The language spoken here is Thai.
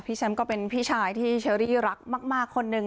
แชมป์ก็เป็นพี่ชายที่เชอรี่รักมากคนนึง